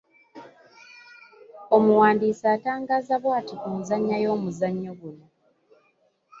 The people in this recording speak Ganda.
Omuwandiisi atangaaza bw’ati ku nzannya y’omuzannyo guno.